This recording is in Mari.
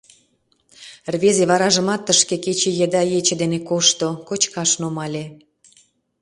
Рвезе варажымат тышке кече еда ече дене кошто, кочкаш нумале.